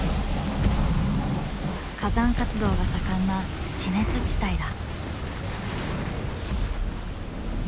火山活動が盛んな地熱地帯だ。